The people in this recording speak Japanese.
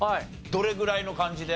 どれぐらいの感じで？